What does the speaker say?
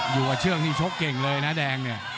อยู่กับชื่องที่โชคเก่งเลยนะแดง